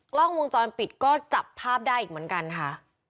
กล้องวงจรปิดก็จับภาพได้อีกเหมือนกันค่ะ